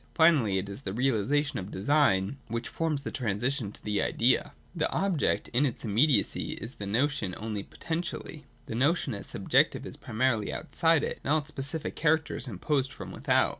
Finally, it is the realisation of design which forms the transition to the Idea. (a) Mechanism. 195.] The object (i) in its immediacy is the notion only potentially ; the notion as subjective is primarily outside it ; and all its specific character is imposed from without.